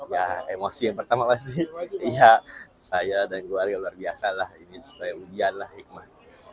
ya emosi yang pertama pasti pihak saya dan keluarga luar biasa lah ini supaya ujian lah hikmah